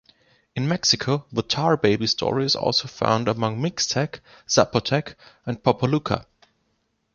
In Mexico, the tar baby story is also found among Mixtec, Zapotec, and Popoluca.